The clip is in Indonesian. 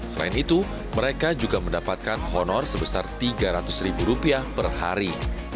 selain itu mereka juga mendapatkan honor sebesar rp tiga ratus per hari